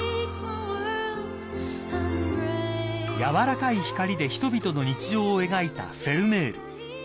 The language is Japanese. ［やわらかい光で人々の日常を描いたフェルメール］